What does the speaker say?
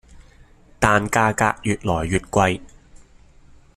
但價格越來越貴